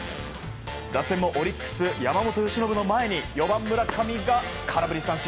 打線もオリックス山本由伸の前に４番、村上が空振り三振。